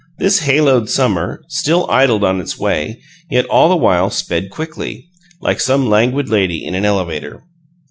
This haloed summer still idled on its way, yet all the while sped quickly; like some languid lady in an elevator.